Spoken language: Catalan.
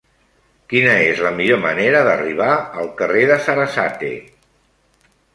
Quina és la millor manera d'arribar al carrer de Sarasate?